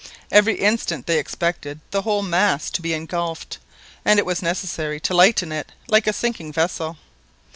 Every instant they expected the whole mass to be engulfed, and it was necessary to lighten it like a sinking vessel.